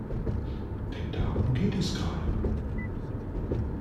Denn darum geht es gerade.